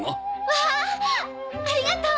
わぁありがとう！